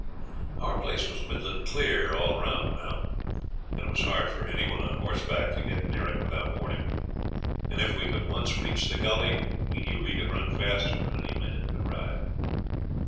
Our place was middling clear all round now, and it was hard for any one on horseback to get near it without warning; and if we could once reach the gully we knew we could run faster than any man could ride.